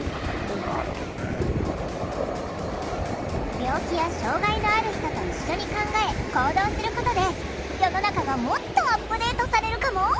病気や障害のある人と一緒に考え行動することで世の中がもっとアップデートされるかも？